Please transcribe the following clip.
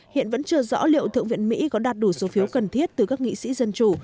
hiện vẫn chưa rõ liệu thượng viện mỹ có đạt đủ số phiếu cần thiết từ các nghị sĩ dân chủ